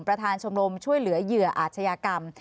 ชมรมช่วยเหลือเหยื่ออาชญากรรม